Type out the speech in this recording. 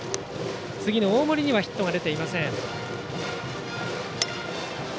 次の大森にはヒットが出ていません。